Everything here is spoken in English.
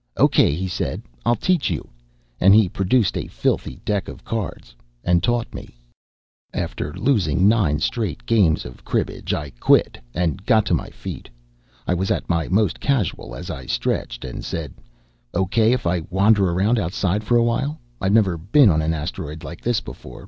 "Okay," he said. "I'll teach you." And he produced a filthy deck of cards and taught me. After losing nine straight games of cribbage, I quit, and got to my feet. I was at my most casual as I stretched and said, "Okay if I wander around outside for a while? I've never been on an asteroid like this before.